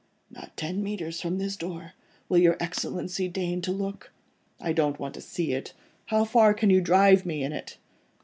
"Not ten mètres from this door. Will your Excellency deign to look?" "I don't want to see it. How far can you drive me in it?"